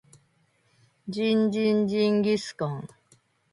ジンジンジンギスカン